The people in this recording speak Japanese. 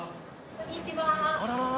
こんにちは。